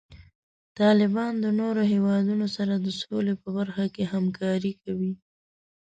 طالبان د نورو هیوادونو سره د سولې په برخه کې همکاري کوي.